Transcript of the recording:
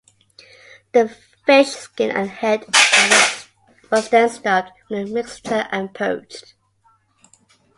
The fish skin and head were then stuffed with the mixture and poached.